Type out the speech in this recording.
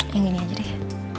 yang gini aja deh